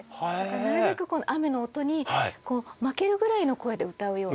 なるべく雨の音に負けるぐらいの声で歌うように。